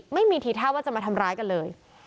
ไม่มีทีท่าว่าจะมาทำร้ายกันเลย